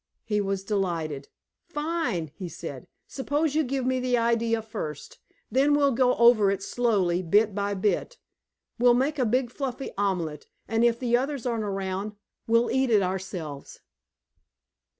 He was delighted. "Fine!" he said. "Suppose you give me the idea first. Then we'll go over it slowly, bit by bit. We'll make a big fluffy omelet, and if the others aren't around, we'll eat it ourselves."